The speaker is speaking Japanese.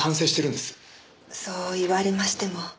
そう言われましても。